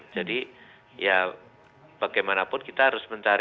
jadi ya bagaimanapun kita harus mencari